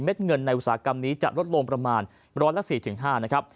เงินในอุตสาหกรรมนี้จะลดลงประมาณร้อยละ๔๕นะครับ